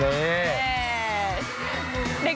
นี่